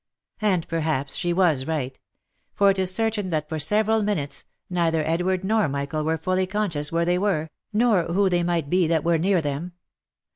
And perhaps she was right ; for it is certain that for several minutes, neither Edward nor Michael were fully conscious where they were, nor who they might be that were near them.